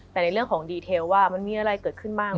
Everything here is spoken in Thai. แต่ในเรื่องของดีเทลว่ามันมีอะไรเกิดขึ้นบ้าง